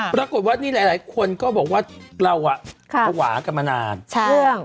ปรากฏว่านี่หลายคนก็บอกว่าเราอ่ะภาวะกันมานานใช่